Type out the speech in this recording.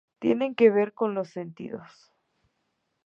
Tienen que ver con los sentidos.